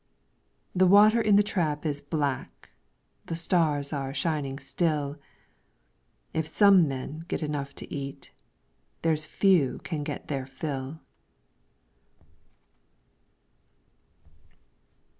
The water in the trap is black, The stars are shining still If some men get enough to eat. There's few can get their fill.